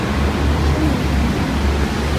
生于横滨。